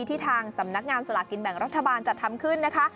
ที่ทางสำนักงานสลากินแบ่งรัฐบาลจัดทำขึ้นนะคะ